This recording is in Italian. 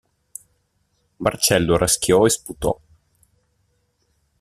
Marcello raschiò e sputò.